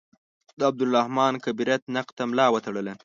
عبدالرحمان کبریت نقد ته ملا وتړله.